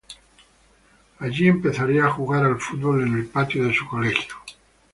Allí, empezaría a jugar al fútbol en el patio de su colegio.